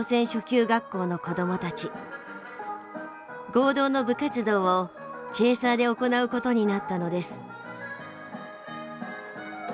合同の部活動をチェーサーで行うことになったのです。